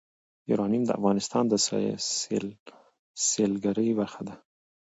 یورانیم د افغانستان د سیلګرۍ برخه ده.